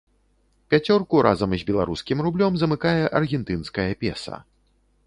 Пяцёрку разам з беларускім рублём замыкае аргентынскае песа.